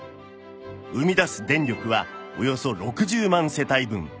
生み出す電力はおよそ６０万世帯分